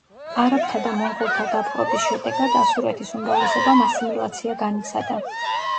არაბთა და მონღოლთა დაპყრობის შედეგად ასურეთის უმრავლესობამ ასიმილაცია განიცადა.